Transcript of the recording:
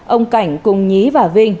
ông cảnh cùng nhí và vinh